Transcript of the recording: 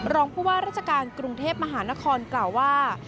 รองผู้ว่าราชการกรุงเทพมหานครกล่าวว่า